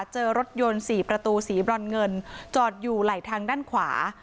เจอรถยนต์๔ประตูสีบรอนเงินจอดอยู่ไหลทางด้านขวา